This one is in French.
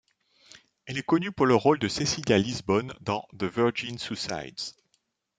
Elle est connue pour le rôle de Cecilia Lisbon dans The Virgin Suicides.